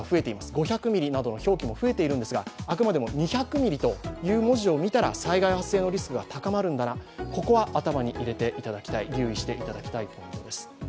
５００ミリなどの表記も増えているんですが、あくまでも２００ミリという文字を見たら災害発生リスクが高まるんだな、ここは頭に入れていただきたい。